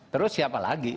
terus siapa lagi